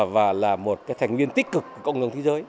và là một thành viên tích cực của cộng đồng thế giới